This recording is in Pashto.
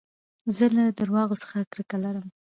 زه له درواغو څخه کرکه لرم.